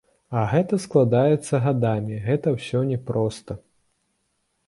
А гэта складаецца гадамі, гэта ўсё не проста.